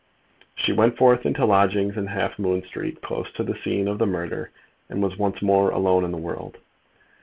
She went forth into lodgings in Half Moon Street, close to the scene of the murder, and was once more alone in the world.